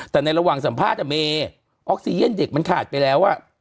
แต่ในระหว่างสัมภาษณ์เมย์ออกซีเย็นเด็กมันขาดไปแล้ว